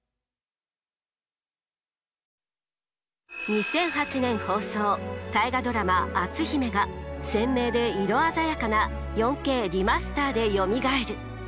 ２００８年放送大河ドラマ「篤姫」が鮮明で色鮮やかな４Ｋリマスターでよみがえる！